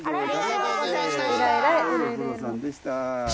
ご苦労さんでした。